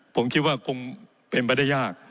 ผมคิดว่าคงเป็นไปได้ยาก